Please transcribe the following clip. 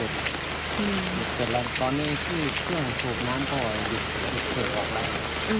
ต้องหยุดแต่ตอนนี้ที่เครื่องสูบน้ำก็หยุดออกแล้ว